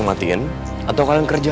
kau denger gak